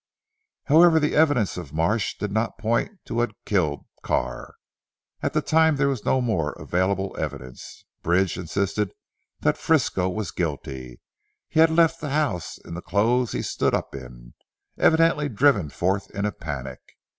However the evidence of Marsh did not point to who had killed Carr. At the time there was no more available evidence. Bridge insisted that Frisco was guilty. He had left the house in the clothes he stood up in, evidently driven forth in a panic.